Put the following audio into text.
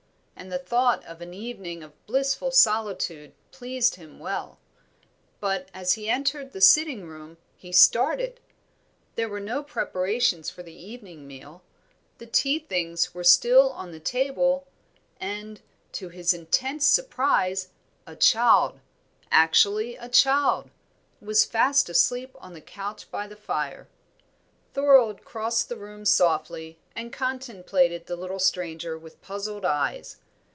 And the thought of an evening of blissful solitude pleased him well. But as he entered the sitting room, he started. There were no preparations for the evening meal. The tea things were still on the table, and, to his intense surprise, a child actually a child was fast asleep on the couch by the fire. Thorold crossed the room softly, and contemplated the little stranger with puzzled eyes.